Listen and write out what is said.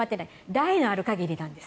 代がある場合なんです。